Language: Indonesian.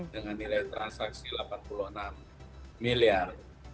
dengan nilai transaksi rp delapan puluh enam miliar